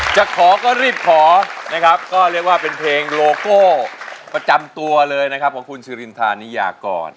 จะขอก็รีบขอนะครับก็เรียกว่าเป็นเพลงโลโก้ประจำตัวเลยนะครับของคุณสิรินทานิยากร